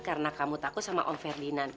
karena kamu takut sama om ferdinand